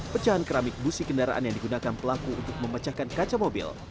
pecahan keramik busi kendaraan yang digunakan pelaku untuk memecahkan kaca mobil